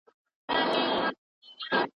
علمي سیمینار بې هدفه نه تعقیبیږي.